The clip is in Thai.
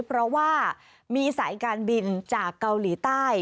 เพราะว่ามีสายการบินจากเกาหลีใต้